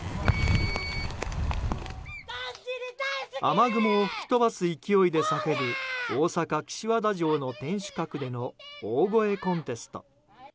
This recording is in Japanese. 雨雲を吹き飛ばす勢いで叫ぶ大阪・岸和田城の天守閣での大声コンテスト。